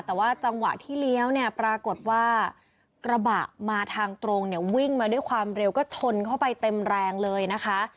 แต่ว่าจังหวะที่เลี้ยวเนี่ยปรากฏว่ากระบะมาทางตรงเนี่ยวิ่งมาด้วยความเร็วก็ชนเข้าไปเต็มแรงเลยนะคะ